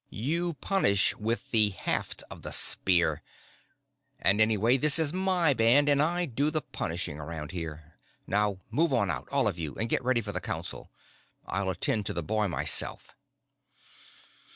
"You punish with the haft of the spear. And anyway, this is my band and I do the punishing around here. Now move on out, all of you, and get ready for the council. I'll attend to the boy myself."